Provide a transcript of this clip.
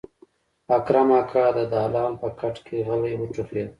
اکرم اکا د دالان په کټ کې غلی وټوخېد.